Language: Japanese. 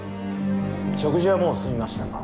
食事はもう済みましたか？